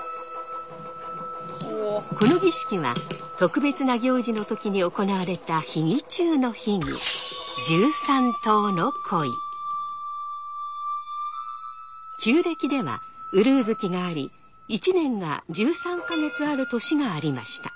この儀式は特別な行事の時に行われた秘儀中の秘儀旧暦ではうるう月があり一年が１３か月ある年がありました。